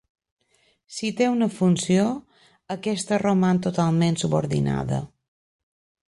Si té una funció, aquesta roman totalment subordinada.